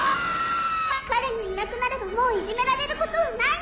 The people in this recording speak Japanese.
「彼がいなくなればもういじめられることはないのよ」